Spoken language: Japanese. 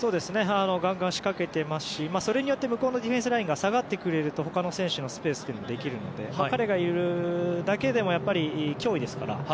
ガンガン仕掛けていますしそれによって向こうのディフェンスラインが下がってくれると他の選手のスペースができるので彼がいるだけでもやっぱり脅威ですから。